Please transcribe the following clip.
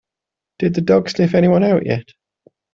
Did the dog sniff anyone out yet?